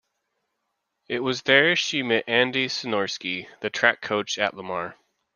It was there she met Andy Senorski, the track coach at Lamar.